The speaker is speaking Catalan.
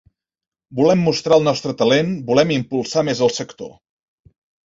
Volem mostrar el nostre talent, volem impulsar més el sector.